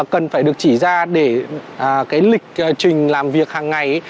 cần phải được chỉ ra để cái lịch trình làm việc hàng ngày